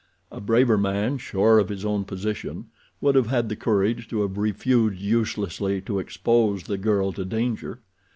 A braver man, sure of his own position, would have had the courage to have refused uselessly to expose the girl to danger.